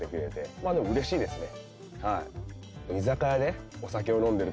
まあ、でもうれしいですね。